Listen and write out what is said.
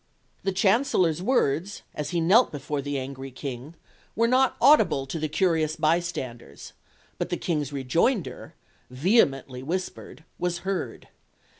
The Chancellor's words, as he knelt before the angry King, were not audible to the curious bystanders, but the King's rejoinder, "vehemently whispered," was heard.